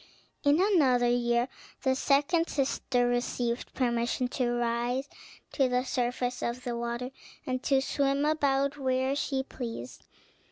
In another year the second sister received permission to rise to the surface of the water, and to swim about where she pleased.